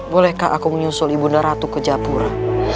bolehkah aku menyusul ibu unda ratu ke japura